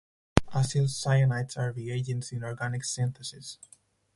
Acyl cyanides are reagents in organic synthesis.